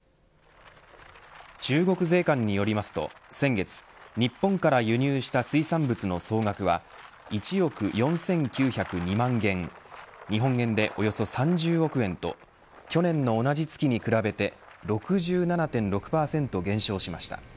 日本産の水産物の輸入を全面的に停止した影響と中国税関によりますと、先月日本から輸入した水産物の総額は１億４９０２万元日本円で、およそ３０億円と去年の同じ月に比べて６７．６％減少しました。